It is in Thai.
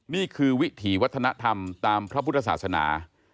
นี่คือวิถีวัฒนธรรมตามพระพุทธศาสนา